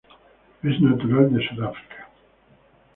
Es natural de Sudáfrica.